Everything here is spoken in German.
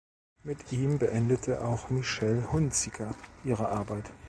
Mit ihm beendete auch Michelle Hunziker ihre Arbeit.